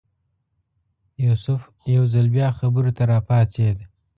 یوسف یو ځل بیا خبرو ته راپاڅېد.